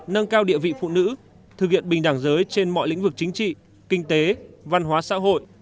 nâng cao địa vị phụ nữ thực hiện bình đẳng giới trên mọi lĩnh vực chính trị kinh tế văn hóa xã hội